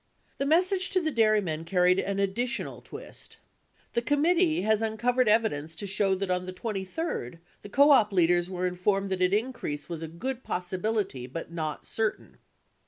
The message to the dairymen carried an additional twist. The committee has uncovered evidence to show that on the 23d the co op leaders were informed that an increase was a good possibility but not certain.